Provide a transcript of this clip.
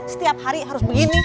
setiap hari harus begini